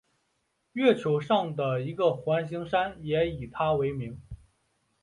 月球上的一个环形山也以他为名。